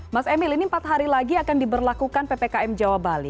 mas emil ini empat hari lagi akan diberlakukan ppkm jawa bali